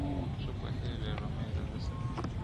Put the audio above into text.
ښه پوهېږمه غمی له ده سره دی,